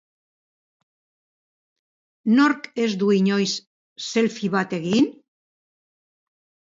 Nork ez du inoiz selfie bat egin?